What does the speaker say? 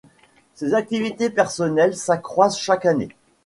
Ses activités personnelles s’accroissent chaque année.